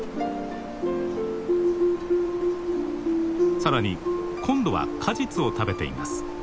更に今度は果実を食べています。